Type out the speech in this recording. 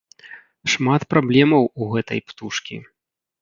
Шмат праблемаў у гэтай птушкі.